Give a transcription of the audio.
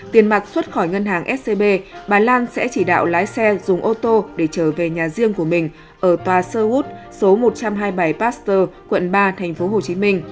tiền mặt xuất khỏi ngân hàng scb bà lan sẽ chỉ đạo lái xe dùng ô tô để trở về nhà riêng của mình ở tòa sơ wood số một trăm hai mươi bảy pasteur quận ba tp hcm